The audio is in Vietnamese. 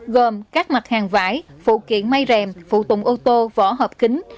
gồm các mặt hàng vải phụ kiện may rèm phụ tùng ô tô vỏ hợp kính